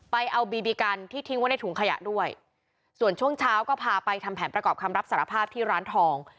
ไปเอาบีบีกันที่ทิ้งไว้ในถุงขยะด้วยส่วนช่วงเช้าก็พาไปทำแผนประกอบคำรับสารภาพที่ร้านทอง